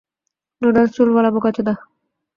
Noodles চুলওয়ালা বোকাচোদা!